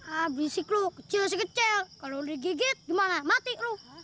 ah berisik lu kecil sih kecil kalau digigit gimana mati lu